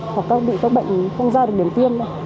hoặc bị các bệnh không ra được điểm tiêm